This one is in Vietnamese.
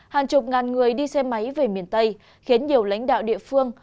hàng chục ngàn người đi xe máy về miền tây khiến nhiều lãnh đạo địa phương